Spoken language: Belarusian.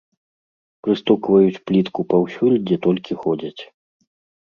Прыстукваюць плітку паўсюль, дзе толькі ходзяць.